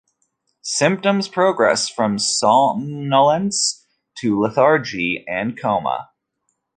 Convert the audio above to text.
Symptoms progress from somnolence to lethargy and coma.